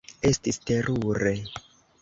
Estis terure.